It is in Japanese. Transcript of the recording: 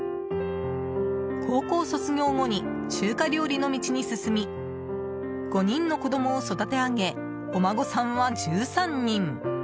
高校卒業後に中華料理の道に進み５人の子供を育て上げお孫さんは１３人。